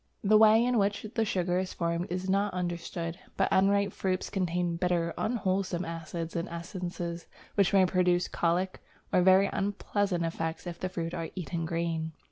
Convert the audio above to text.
The way in which the sugar is formed is not understood, but unripe fruits contain bitter, unwholesome acids and essences which may produce colic or very unpleasant effects if the fruits are eaten green.